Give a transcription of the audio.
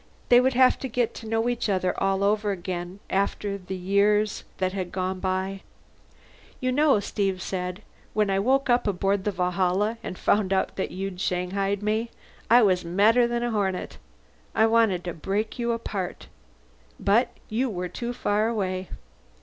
They would have to get to know each other all over again, after the years that had gone by. "You know," Steve said, "When I woke up aboard the Valhalla and found out you'd shanghaied me, I was madder than a hornet. I wanted to break you apart. But you were too far away."